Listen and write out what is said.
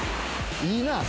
いいなぁ。